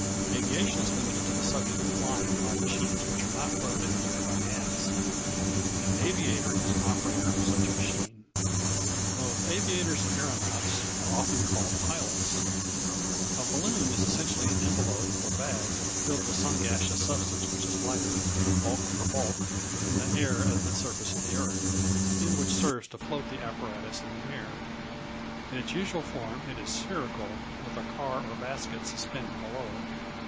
Aviation is limited to the subject of flying by machines which are not floated in the air by gas. An aviator is an operator of such machine. [Illustration: A free balloon, with parachute.] Both aviators and aeronauts are often called pilots. A balloon is essentially an envelope or bag filled with some gaseous substance which is lighter, bulk for bulk, than the air at the surface of the earth, and which serves to float the apparatus in the air. In its usual form it is spherical, with a car or basket suspended below it.